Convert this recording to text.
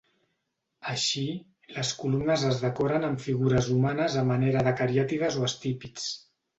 Així, les columnes es decoren amb figures humanes a manera de cariàtides o estípits.